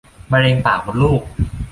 มะเร็งปากมดลูก